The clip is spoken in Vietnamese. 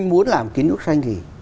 thứ làm kiến trúc xanh thì